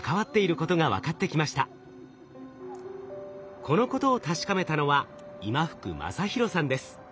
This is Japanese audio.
このことを確かめたのは今福理博さんです。